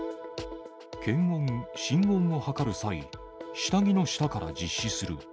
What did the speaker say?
検温、心音をはかる際、下着の下から実施する。